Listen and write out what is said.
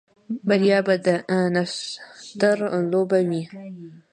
بریا به د نښتر لوبډلې وي